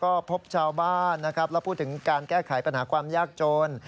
ก็พบชาวบ้านนะครับแล้วพูดถึงการแก้ไขปัญหาความยากจน